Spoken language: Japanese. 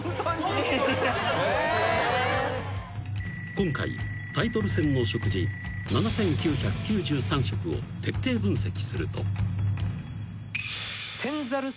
［今回タイトル戦の食事７，９９３食を徹底分析すると］